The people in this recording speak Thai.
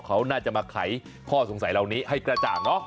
เขาน่าจะมาไขข้อสงสัยเหล่านี้ให้กระจ่างเนาะ